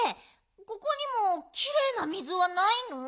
ここにもきれいな水はないの？